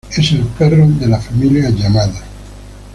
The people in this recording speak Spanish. Es el perro de la familia Yamada.